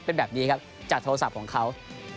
เป็นแบบนี้ครับจากโทรศัพท์ของเขา